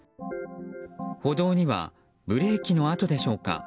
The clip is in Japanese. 歩道にはブレーキの跡でしょうか。